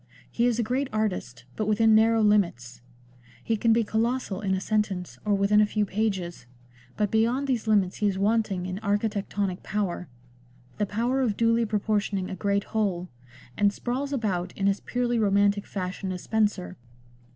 He is a great artist, but within narrow limits ; he can be colossal in a sentence or within a few pages, but beyond these limits he is wanting in architectonic power — the power of duly proportioning a great whole — and sprawls about in as purely romantic fashion as Spenser.